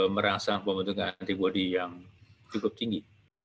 merangsang pembentukan antibody yang cukup tinggi